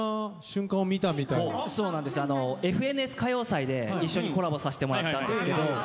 『ＦＮＳ歌謡祭』で一緒にコラボさせてもらったんですけど。